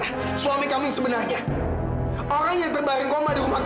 aku bukan fadil yang buruk